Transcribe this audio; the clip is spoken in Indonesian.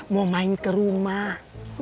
mau main ke rumah